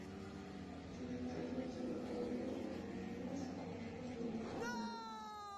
Director del Observatorio de Manila sucediendo a Federico Faura.